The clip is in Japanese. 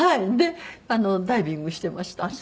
でダイビングしてました。